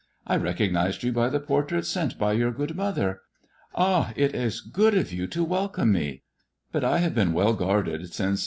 I recognized you by the portrait sent by your good mother. Ah ! it is good MY COUSIN FEOM FRANCE 371 >f you to welcome me. But I have been well guarded since